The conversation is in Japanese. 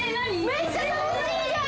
めっちゃ楽しいじゃん！